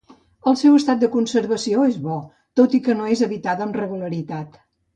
El seu estat de conservació és bo, tot i que no és habitada amb regularitat.